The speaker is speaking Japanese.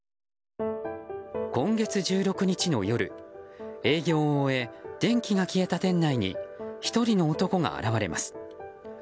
今月１６日の夜営業を終え電気が消えた店内に１人の男が現れます。